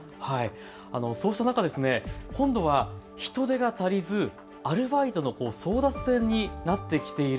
そうした中、今度は人手が足りずアルバイトの争奪戦になってきている。